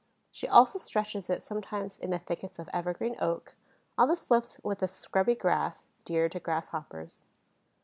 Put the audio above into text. She also stretches it sometimes in the thickets of evergreen oak, on the slopes with the scrubby grass, dear to Grasshoppers.